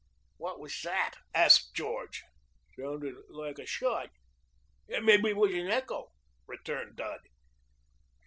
"What was that?" asked George. "Sounded like a shot. Mebbe it was an echo," returned Dud.